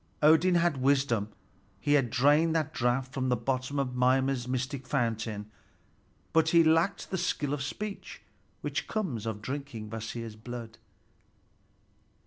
Odin had wisdom, he had drained that draught from the bottom of Mimer's mystic fountain; but he lacked the skill of speech which comes of drinking Kvasir's blood.